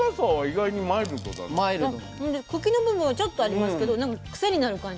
で茎の部分はちょっとありますけどなんかクセになる感じ。